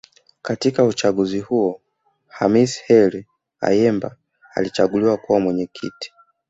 Katika uchaguzi huo Khamis Heri Ayemba alichaguliwa kuwa Mwenyekiti